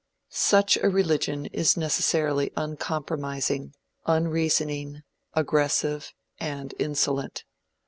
Such a religion is necessarily uncompromising, unreasoning, aggressive and insolent.